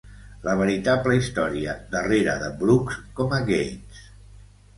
La veritable història darrere de Brooks com a Gaines.